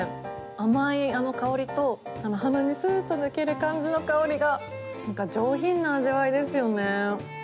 甘い香りと鼻にスーッと抜ける感じの香りが上品な味わいですよね。